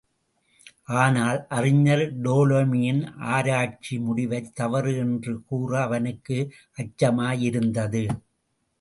ஆனால் அறிஞர் டோலமியின் ஆராய்ச்சி முடிவைத் தவறு என்று கூற அவனுக்கு அச்சமாயிருந்தது.